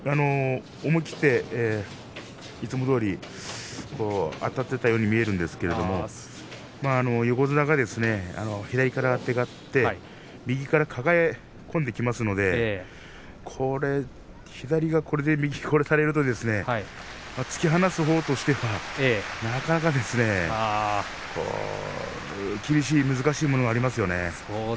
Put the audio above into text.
思い切っていつもどおりあたっていったように見えたんですが横綱が左からあてがって右から抱え込んできますので左がこれで、右を殺されると突き放すほうとしてはなかなか厳しい難しいものがありますよね。